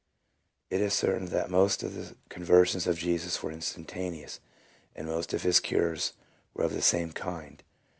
It is certain that most of the con versions of Jesus w T ere instantaneous, and most of his cures were of the same kind.